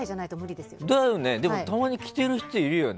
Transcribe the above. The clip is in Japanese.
でも、たまに着ている人いるよね。